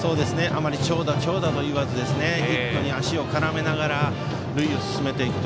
あまり長打、長打といわずヒットに足を絡めながら塁を進めていく。